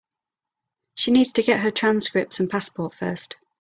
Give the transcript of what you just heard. She needs to get her transcripts and passport first.